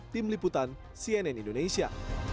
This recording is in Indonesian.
tim liputan cnn indonesia